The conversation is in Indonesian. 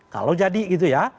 kalau jadi gitu ya